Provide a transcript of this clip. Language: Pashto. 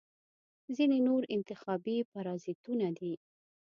ځینې نور انتخابي پرازیتونه دي.